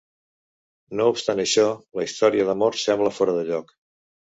No obstant això, la història d'amor sembla fora de lloc.